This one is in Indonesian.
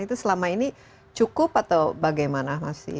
itu selama ini cukup atau bagaimana masih